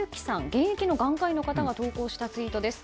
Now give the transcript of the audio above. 現役の眼科医の方が投稿したツイートです。